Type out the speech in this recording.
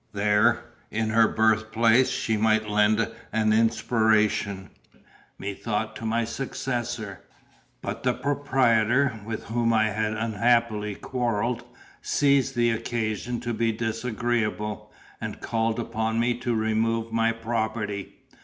There, in her birthplace, she might lend an inspiration, methought, to my successor. But the proprietor, with whom I had unhappily quarrelled, seized the occasion to be disagreeable, and called upon me to remove my property.